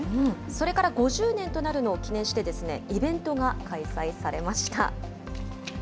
それから５０年となるのを記念して、イベントが開催されました。